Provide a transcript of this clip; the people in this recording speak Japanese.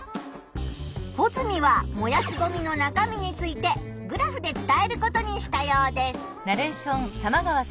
ホズミは燃やすゴミの中身についてグラフで伝えることにしたようです。